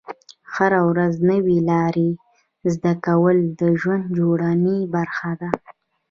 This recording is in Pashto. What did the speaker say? هره ورځ نوې لارې زده کول د ژوند جوړونې برخه ده.